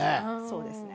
そうですね。